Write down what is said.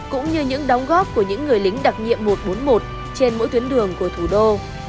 cũng như những đóng góp của những người lính đặc nhiệm một trăm bốn mươi một trên mỗi tuyến đường của thủ đô